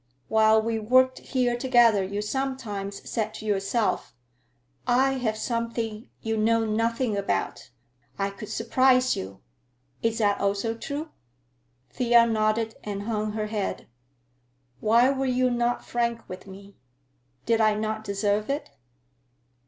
While we worked here together you sometimes said to yourself, 'I have something you know nothing about; I could surprise you.' Is that also true?" Thea nodded and hung her head. "Why were you not frank with me? Did I not deserve it?"